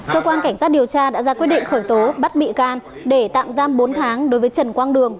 cơ quan cảnh sát điều tra đã ra quyết định khởi tố bắt bị can để tạm giam bốn tháng đối với trần quang đường